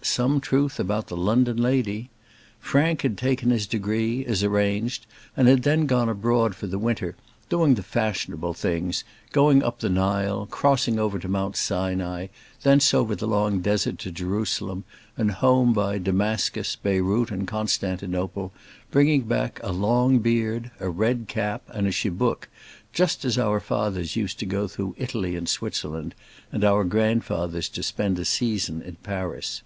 some truth about the London lady. Frank had taken his degree, as arranged, and had then gone abroad for the winter, doing the fashionable things, going up the Nile, crossing over to Mount Sinai, thence over the long desert to Jerusalem, and home by Damascus, Beyrout, and Constantinople, bringing back a long beard, a red cap, and a chibook, just as our fathers used to go through Italy and Switzerland, and our grandfathers to spend a season in Paris.